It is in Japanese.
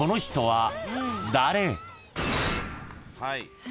はい。